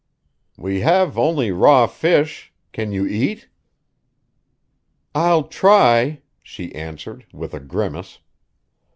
"We have only raw fish. Can you eat?" "I'll try," she answered, with a grimace.